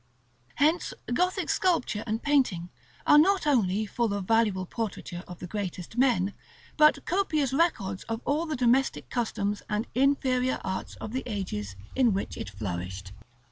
Hence Gothic sculpture and painting are not only full of valuable portraiture of the greatest men, but copious records of all the domestic customs and inferior arts of the ages in which it flourished.